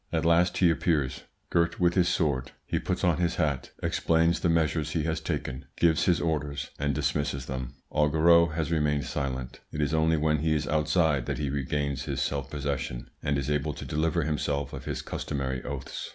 At last he appears, girt with his sword; he puts on his hat, explains the measures he has taken, gives his orders, and dismisses them. Augereau has remained silent; it is only when he is outside that he regains his self possession and is able to deliver himself of his customary oaths.